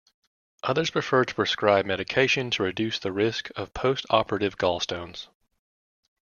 Others prefer to prescribe medication to reduce the risk of post-operative gallstones.